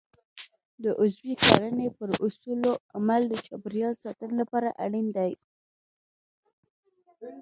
د عضوي کرنې پر اصولو عمل د چاپیریال ساتنې لپاره اړین دی.